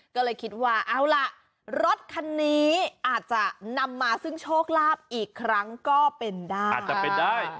ก็เลยคิดว่ารถคันนี้อาจจะนำมาซึ่งโชคราบอีกครั้งก็เป็นได้